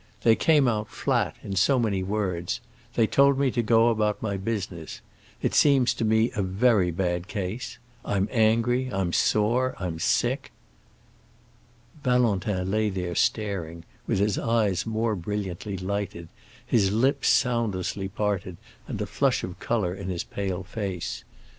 They came out flat, in so many words. They told me to go about my business. It seems to me a very bad case. I'm angry, I'm sore, I'm sick." Valentin lay there staring, with his eyes more brilliantly lighted, his lips soundlessly parted, and a flush of color in his pale face.